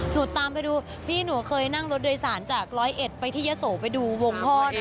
ตามไปดูพี่หนูเคยนั่งรถโดยสารจากร้อยเอ็ดไปที่ยะโสไปดูวงพ่อ